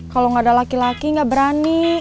kalau enggak ada laki laki enggak berani